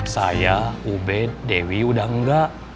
saya ubed dewi udah enggak